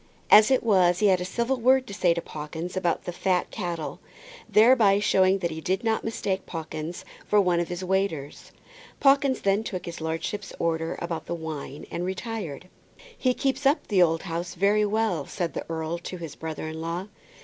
As it was he had a civil word to say to Pawkins about the fat cattle, thereby showing that he did not mistake Pawkins for one of the waiters. Pawkins then took his lordship's orders about the wine and retired. "He keeps up the old house pretty well," said the earl to his brother in law.